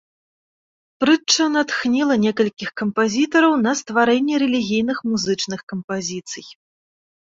Прытча натхніла некалькіх кампазітараў на стварэнне рэлігійных музычных кампазіцый.